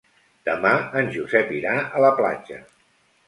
Demà en Josep irà a la platja.